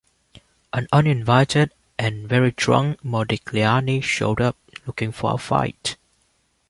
An uninvited, and very drunk, Modigliani showed up, looking for a fight.